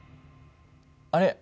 あれ？